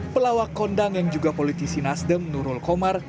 pelawak kondang yang juga politisi nasdem nurul komar